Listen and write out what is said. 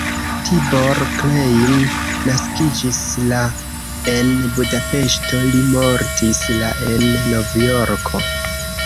Tibor Klein naskiĝis la en Budapeŝto, li mortis la en Novjorko.